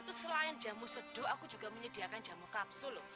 aku selain jamu seduh aku juga menyediakan jamu kapsul